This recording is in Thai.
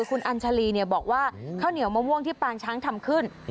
คุณอัญชาลีบอกว่าข้าวเหนียวมะม่วงที่ปางช้างทำขึ้น